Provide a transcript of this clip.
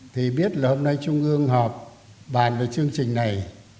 thì biết là hôm nay trung ương họp bàn về chương trình này